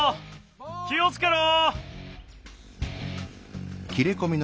きをつけろ！